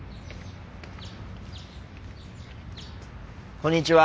こんにちは。